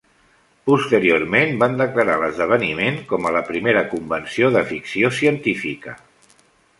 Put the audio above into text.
Posteriorment, van declarar l'esdeveniment com a la primera convenció de ficció científica.